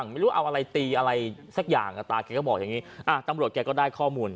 ไม่รู้เอาอะไรตีอะไรสักอย่างตาแกก็บอกอย่างนี้ตำรวจแกก็ได้ข้อมูล